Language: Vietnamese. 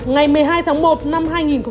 ngày một mươi hai tháng một năm hai nghìn hai mươi